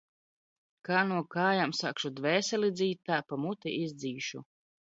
Kā no kājām sākšu dvēseli dzīt, tā pa muti izdzīšu.